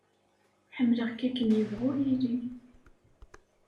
Ḥemmleɣ-k akken yebɣu yili.